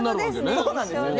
そうなんですよね。